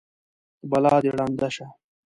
بلا دې ړنده شه!